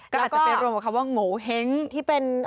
แล้วก็กะเวิร์นวัดคำว่างโงเห้งที่เป็น